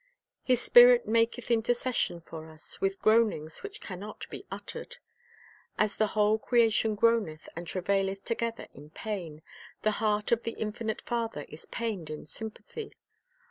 "* His Spirit "maketh intercession for us with groan ings which can not be uttered." As the "whole crea tion groaneth and travaileth together in pain," 3 the heart of the infinite Father is pained in sympathy.